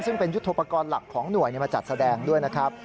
ซึ่งเป็นยุทธโปรกรณ์หลักของหน่วยมาจัดแสดงด้วยนะครับ